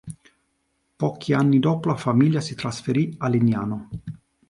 Pochi anni dopo la famiglia si trasferì a Legnano.